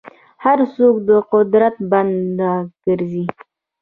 هر څوک د قدرت بنده ګرځي.